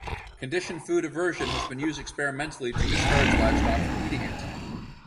Conditioned food aversion has been used experimentally to discourage livestock from eating it.